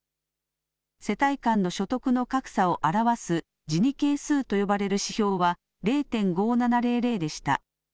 世帯間の所得の格差を表すジニ係数と呼ばれる指標は０．５７００でした。